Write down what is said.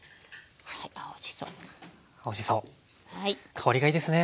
香りがいいですね